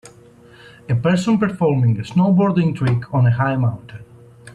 A person performing a snowboarding trick on a high mountain.